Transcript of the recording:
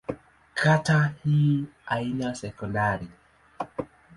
Kata hii haina sekondari.